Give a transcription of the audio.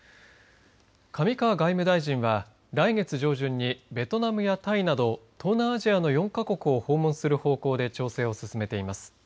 上川外務大臣は、来月上旬にベトナムやタイなど東南アジアの４か国を訪問する方向で調整を進めています。